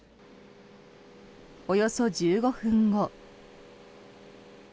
およそ１５分後。